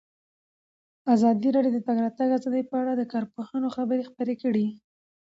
ازادي راډیو د د تګ راتګ ازادي په اړه د کارپوهانو خبرې خپرې کړي.